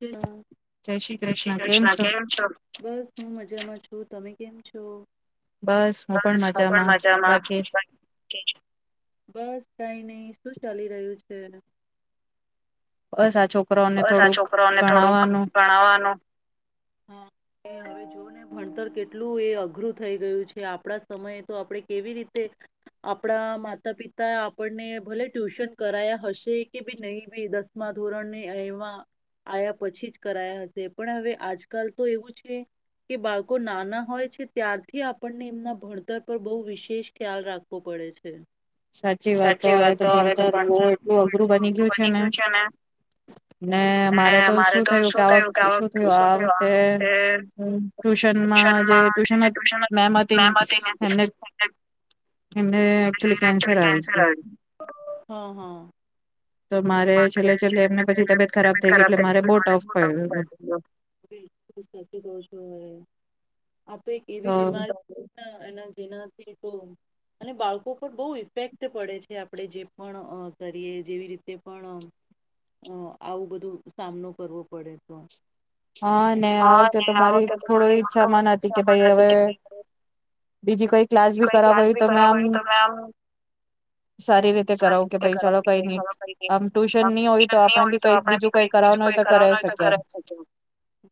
Hello જય શ્રી કૃષ્ણ કેમ છો? બસ હું મજામાં છું તમે કેમ છો? બસ હું પણ મજામાં [inaudible] બસ કઈ નઈ શું ચાલી રહ્યું છે. બસ આ છોકરાને થોડુંક ભણાવવાનું. [inaudible] જો ને ભણતર કેટલું એ અઘરું થઈ ગયું છે આપડા સમયે તો આપડે કેવી રીતે આપણા માતા પિતા આપણને ભલે ટ્યુશન કરાયા હશે કે ભી નહી ભી દસ માં ધોરણ ને આવ્યા આ્યા પછી જ કરાયા હશે પણ હવે આજકાલ તો એવું છે. કે બાળકો નાના હોય છે ત્યારથી આપણને એમના ભણતર પર બહુ વિશેષ ખ્યાલ રાખવો પડે છે. સાચી વાત તો હવે તો ભણતર બહુ એટલું અઘરું બની ગયું છે ને ને મારે તો શું થયું કે આ વખ શું થયું આ વખતે ટ્યુશનમાં જે ટ્યુશન મેમ હતી ને એમને એમને એક્ચ્યુલી કેન કેન્સર આયુ. હ હ- [unintelligible] છેલ્લે છેલ્લે એમને પછી તબિયત ખરાબ થઈ ગઈ એટલે મારે બહુ ટકલીફ પડી ગયું. સાચુ કો છો હવ, આ તો એક એવી બીમારી ના એના જેનાથી તો અને બાળકો પર બહુ ઇફેક્ટ પડે છે આપણેે જે પણ કરીએ જેવી રીતે તે પણ આવું બધું સામનો કરવો પડે તો. હા ને આ વખતે તો મારી થોડી ઈચ્છામાં ન હતી કે ભાઈ હવે બીજી કોઈ ક્લાસ ભી કરાવ હોય તો મે આમ સારી રીતે કરાવું કે ભાઈ ચાલો કઈ ની આમ ટ્યુશન ની હોય તો આપણે બી કઈક બીજું કઈ કરવાનું હોય તો કરાવી શકીએ એમ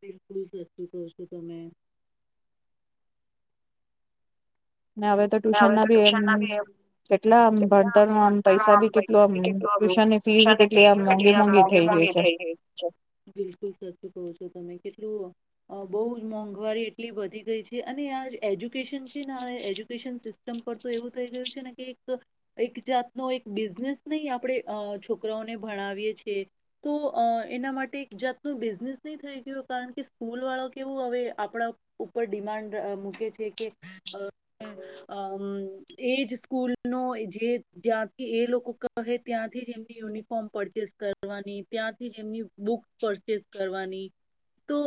બિલકુલ સાચું કો છો તમે ને હવે તો ટ્યુશન ના ભી એમ કેટલા આમ ભણતર ન આમ પૈસા ભી કેટલું આમ ટ્યુશન ની ફીસ ભી કેટલી આમ મોંઘી મોંઘી મોંઘી મોંઘી થઈ ગઈ છે. બિલકુલ સાચું કો છો તમે કેટલું બહુ જ મોંઘવારી એટલી વધી ગઈ છે અને આ એજ્યુકેશન છે સિસ્ટમ પર તો એવું થઈ ગયું છે ને એક જાતનો એક બિઝનેસ નહી આપણે છોકરાઓને ભણાવીએ છીએ તો એના માટે એક જાતનું બિઝનેસ નહી થઈ ગયું કારણ કે સ્કૂલ વાળ કેવું હવે આપણા ઉપર ડિમાન્ડ મૂકે છે કે અ એજ સ્કૂલ ન જે જ્યાંથી એ લોકો કહે ત્યાંથી જ એમની યુનિફોર્મ પરચેસ કરે કરવાની ત્યાંથી જ એમની બુક પરચેસ કરવાની તો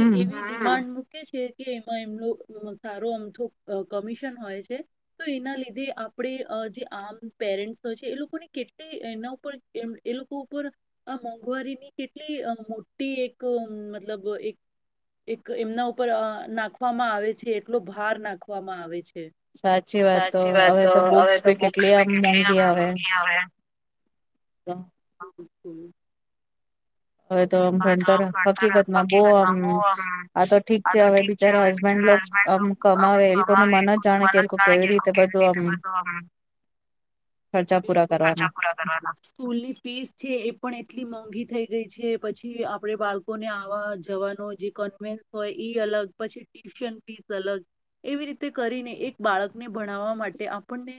એ એવી ડિમાન્ડ મૂકે છે કે એમાં એમનો સારો અમથો કમિશન હોય છે તો એના લીધે આપણે જે આમ પેરેન્ટ્સ હોય છે એ લોકોને કેટ એના ઉપર એ લોકો ઉપર આ મોંઘવારીની કેટલી મોટી એક મતલબ એક એક એમના ઉપર નાખવામાં આવે છે એટલો ભાર નાખવામાં આવે છે સાચી વાત તો હવે તો બુક્સી કેટલી એમ મોંઘુ આવે તો [inaudible] હવે તો આમ ભણતર હકીકતમાં બહ આમ આ તો ઠીક છે હવે બિચારા હસબેન્ડ લો આમ કમાવે એ લોકો ન મન જ જાણે કે એ લોકો કેવી રીતે બધું આમ ખર્ચા પૂરા કરવા સ્કૂલ ની ફીસ છે એ પણ એટલી મોંઘી થઈ ગઈ છે પછી આપડે બાળકો ને આવા જવાનો જે કોન્વેન્સ હોય ઈ અલગ પછી ટ્યુશન ફીસ અલગ એવી રીતે કરીને એક બાળકને ભણાવવા માટે આપણને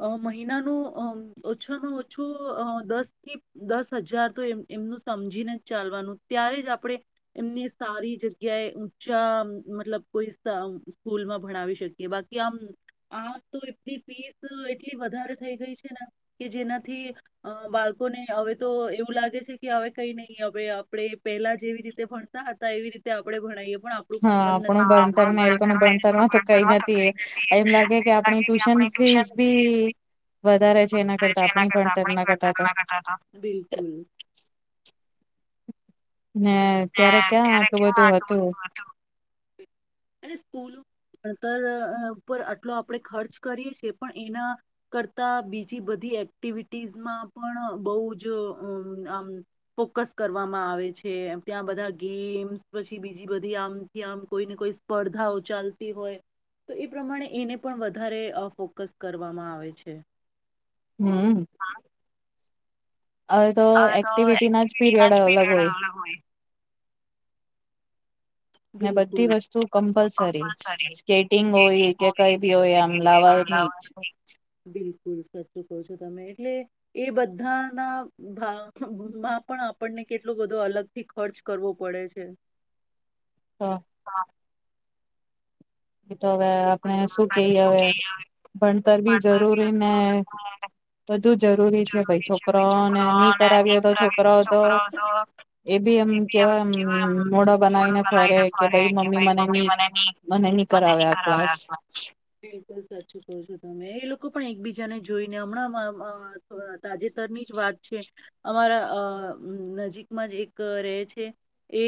અ મહિનાનું અ ઓછાનું ઓછું દસ દસ હજાર તો એમનું સમજીને જ ચાલવાનું ત્યારે જ આપણે એમને સારી જગ્યાએ ઊંચા મતલબ કોઈ સ્કૂલમાં ભણાવી શકે કે બાકી આમ આમ તો એ પીસ એટલી વધારે થઈ ગઈ છે ને કે જેનાથી બાળકોને હવે તો એવું લાગે છે કે હવે કઈ નહી હવે આપણે પેલા જેવી રીતે ભણતા હતા એવી રીતે આપડણે ભણએ પણ આપ આપ ભણતર એ પણ ભણતર તો કઈ એમ લાગે કે આપ ટુશન કરતા કરતા બિલકુલ [inaudible] ત્યારે કેવું હતુ બધું અને સ્કૂલ અણતર ઉપર આટલો આપણે ખર્ચ કરીએ છીએ પણ એના કરતા બીજી બધી એક્ટિવિટીઝમાં પણ બહ જ આમ ફોકસ કરવામાં આવે છે ત્યાં બધા ગેમ્સ પછી બીજી બધી આમથી આમ કોઈને કોઈ સ્પર્ધાઓ ચાલતી હોય તો એ પ્રમાણે એને પણ વધારે ફોકસ કરવામાં આવે છે હમ્મ હવે તો એક્ટિવિટી ના જ પીરિયડ અલગ હોય બિલકુલ વસ્તુ [unintelligible] સારી [unintelligible] ઇજ, બિલકુલ સાચું કહો છો તમે. એટલે એ બધાના ભાવમાં પણ આપણને કેટલો બધું અલગ થી ખર્ચ કરવો પડે છે. હા. હા. એ તો હવે આપણે શું કહીએ હવે ભણતર બી જરૂરી ને બધુ જરૂરી છે ભાઈ છોકરાને ની કરાવ્યે તો છોકરાઓ તો એ ભી એમ કેવા એમ મોઢો બનાવીને ફરે કે ભાઈ મમ્મી મને ની મને ની કરાવ્યા કરરાવે્યા આગવા બિલકુલ સાચું કો છો તમે એ લોકો પણ એકબીજાને જોઈને હમણાં મ મ વ તાજેતર ની જ વાત છે. અમારા અ નજીકમાં જ એક રેહ છે. એ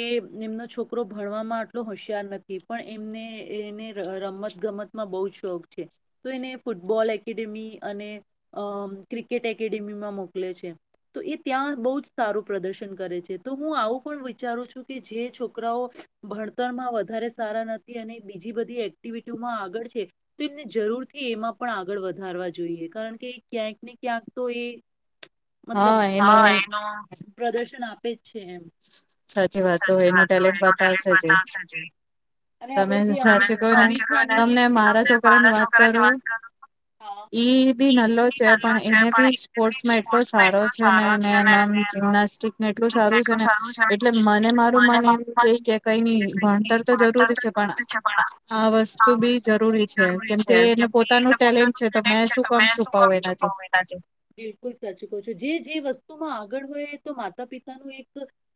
એમનો છોકરો ભણવામાં અટલો હોશિયાર નથી પણ એમને એને ર રમત ગમતમાં બહુ જ શોખ છે. તો એને ફૂટબોલ એકેડેમી અને અ ક્રિકેટ એકેડેમીમાં મોકલે છે. તો એ ત્યાં બહુ જ સારું પ્રદર્શન કરે છે. તો હું આવું પણ વિચારું છું કે જે છોકરાઓ ભણતરમાં વધારે સારા નથી અને બીજી બધી એક્ટિવિટીમાં આગળ છે તો એમને જરૂરથી એમાં પણ આગળ વધારવા જોઈએ કારણ કે ક્યાંક ને ક્યાંક તો એ મતલબ પ્રદર્શન આપે જ છે એમ. સાચી વાત તો એનો ટેલેન્ટ બતાવશે જ એ. તમે સાચું કઉ ને તમને મારા છોકરાની વાત કરું હ એ નાનલો છે પણ એ બી સ્પોર્ટ એટલો સારો છે ને અને એનો સ્ટુ એટલો [unintelligible] મને વાતર [unintelligible] તો જરૂર છે પણ હા [unintelligible] જરૂરી છે કેમકે એ પોતાનું ટેલેન્ટ છે તો મેં શું કઉ છું બઉ એના જેઉ બિલકુલ સાચુ કો છો. જે જે વસ્તુમાં આગળ હોય એ તો માતા પિતાનું એક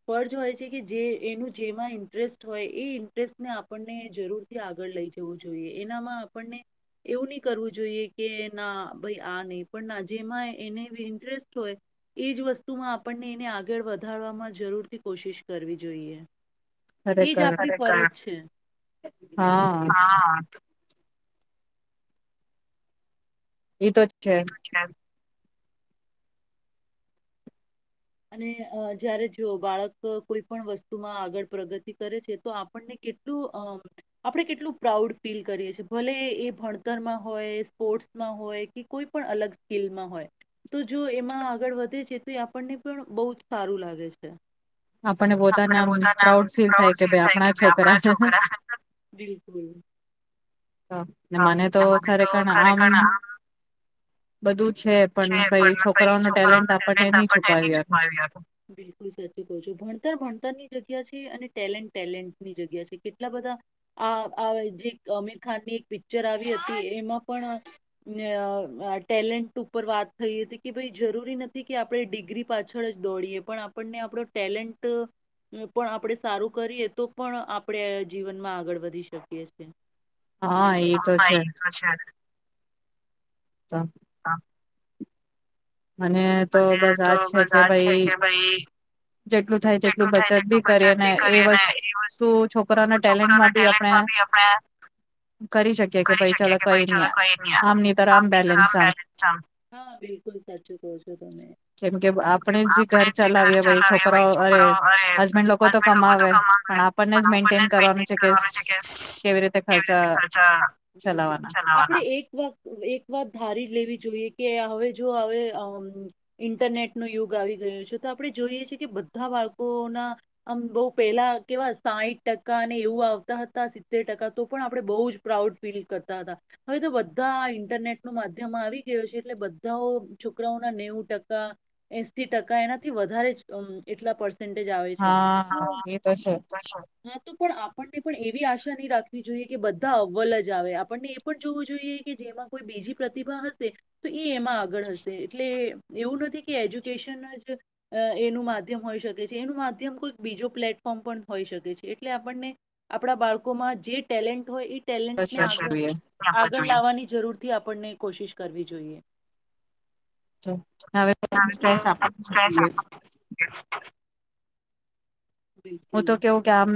ફર્જ હોય છે કે જે એનું જેમાં ઇન્ટરેસ્ટ હોય એ ઇન્ટરેસ્ટ ને આપણને જરૂર થી આગળ લઈ જવું જોઈએ એનામાં આપણને એવું ની કરવું જોઈએ કે ના ભાઈ આ નહી પણ ના જેમાં એને ઇન્ટરેસ્ટ હોય એજ વસ્તુમાં આપણને એને આગળ વધારવામાં જરૂરથી કોશિશ કરવી જોઈ. ઈજ આપણને ફર્જ છે. હા. હા. એ તો જ છે. અને અ જ્યારે જો બાળક કોઈ પણ વસ્તુમાં આગળ પ્રગતિ કરે છે તો આપણને કે ટલું અ આપણે કેટલું પ્રાઉડ ફીલ કરીએ છે ભલે એ ભણતરમાં હોય, સ્પોર્ટ માં હોય કે કોઈ પણ અલગ સ્કીમાં હોય. તો જો એમાં આગળ વધે છે તો આપણને પણ બહઉ જ સારું લાગે છે. આપ પોતામ પ્રઉડ ફીલ થાય કે ભઈ આપણા છોકરા. બિલકુલ. હા ને મને તો ખરેખર આમ, બધું છે છે પણ મેં પેલી છોકરાઓનું ટેલેન્ટ આપડને ની છુપાવી રાખું બિલકુલ સાચું કહું છો. ભણતર ભણતર ની જગ્યા છે અને ટેલેન્ટ ટેલેન્ટની જગ્યા છે. કેટલા બધા આ આ જે અમીર ખાનની એક પિક્ચર આવી હતી એમાં પણ ન્ય અ ટેલેન્ટુ ઉપર વાત થઈ હતી કે ભાઈ જરૂરી નથી કે આપણે ડિગ્રી પાછળ જ દોડીએ પણ આપણને આપણો ટેલેન્ટ ટ પણ આપણે સારું કરીએ તો પણ આપડે જીવનમાં આગળ વધી શકીએ છીએ. હા એ તો છે. મને તો બસ આજ છે કે ભાઈ જેટલું થાય તેટલું બચત બી કરીને એ વસ્તુ છોકરાના ટેલેન્ટમાં બી આપણે કરી શકીએ કે ભાઈ ચાલો કઈ નહી આમ નહી તો આમ બેલેન્સ આમ હા બિલકુલ સચ કહુ છો તમે આપડે જે ઘર ચલાવ્યા હોય અરે હસબેન્ડ લોકો તો કમાે પણ આપણને મેન્ટન કરવાનું છે કે કેવી રીતે ખર્ચા બિલકુલ ચલાવવાના આપણે એક વાત એક વાત ધારી લેવી જોઈએ કે હવે જો હવે ઇન્ટરનેટ ન યુગ આવી ગયો છે તો આપણે જોઈએ છીએ કે બધા બાળકોના આમ પહેલાં કેવા સાઈઠ ટકા ને એવું આવતા હતા સીતેર ટકા તો પણ આપણે બહુ જ પ્રાઉડ ફીલ કરતા હતા. હવે તો બધા ઇન્ટરનેટ નું માધ્યમ આવી ગયો છે એટલે બધાઓ છોકરાઓના નેવું ટકા એસી ટકા એનાથી વધારે અ એટલા પડશે સન્ડે જ આવે છે. હા, પરંતુ આપણે એવી આશા ની રાખવી જોઈએ કે બધા અવ્વલ જ આવે. પણ જોવું જોઈએ કે જેમાં કોઈ બીજી પ્રતિભા હશે. તો એ એમાં આગળ હશે એટલે એવું નથી કે એજ્યુકેશન જ એનું મા હોઈ શકે છે, એનું માધ્યમ કોઈ બીજું પ્લેટફોર્મ પણ હોઈ શકે છે, એટલે આપણને આપણા બાળકોમાં જે ટેલેન્ટ હોય એ ટેલેન્ટને આગળ આગળ લાવવા ની જરૂર થી આપણને કોશિશ કરવી જોઈએ. હવે [unintelligible] [unintelligible] બિલકુલ,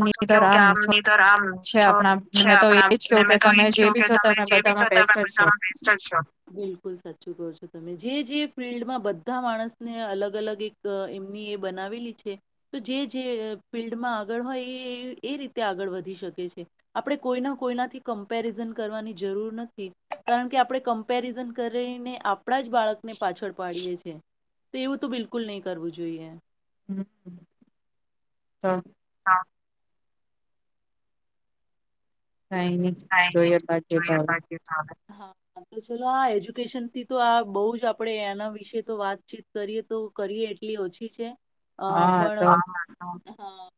હું તો કહું કે આમની તર આમ છે આપણા. અમે તો ઇચિયુ કે તમે જે ભી [unintelligible] બિલકુલ સાચું કહો છો તમે, જે જે ફિલ્ડમાં બધા માણસને અલગ અલગ એક. એમની એ બનાવેલી છે તો જે જે ફિલ્ડમાં આગળ હોય એ એ રીતે આગળ વધી શકે છે. આપણે કોઈના કોઈનાથી કમ્પેરિઝન કરવાની જરૂર નથી કારણ કે આપણે કમ પેરિઝન કરીને આપણા જ બાળકને પાછળ પાડીએ છીએ. તે એવું તો બિલકુલ નહીં કરવું જોઈએ. હમ. હા. હા. કાંઈ નહિ જોઈએ કહેતા હોવે. હા તો ચાલો આ એજ્યુકેશનથી તો આ બહુ જ આપણે એના વિશે તો વાતચીત કરીએ તો કરીએ એટલી ઓછી છે, અ પણ [unintelligible] હા,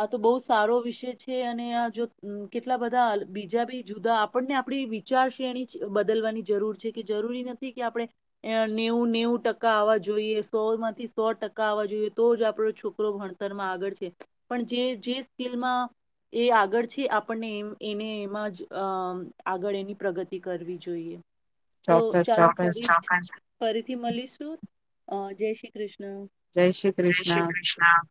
આ તો બહુ સારો વિષય છે અને આ જો કેટલા બધા બીજા બી જુદા આપણને આપણી વિચાર શ્રેણી બદલવાની જરૂર છે કે જરૂરી નથી કે આપણે નેવું નેવું ટકા આવવા જોઈએ, સોમાંથી સો ટકા આવવા જોઈએ તો જ આપણો છોકરો ભણ તર માં આગળ છે પણ જે જે સ્કિલમાં એ આગળ છે આપણને. એને એમાં જ આગળ એની પ્રગતિ કરવી જોઈએ. તો ચાલો ફરી. ફરીથી મળીશું, જય શ્રી કૃષ્ણ જય શ્રી કૃષ્ણ.